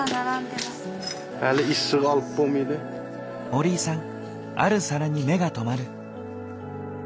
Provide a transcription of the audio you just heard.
盛井さんある皿に目が留まる。